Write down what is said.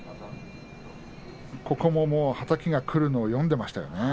はたきがくるのを読んでいましたね。